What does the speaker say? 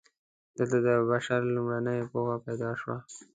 دلته د بشر لومړنۍ پوهه پیدا شوه.